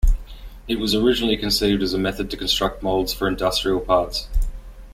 It was originally conceived as a method to construct molds for industrial parts.